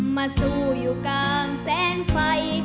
มาสู้อยู่กลางแสนไฟ